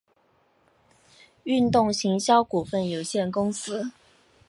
运动行销股份有限公司